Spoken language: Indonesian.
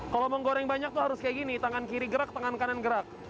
kalau mau goreng banyak harus seperti ini tangan kiri gerak tangan kanan gerak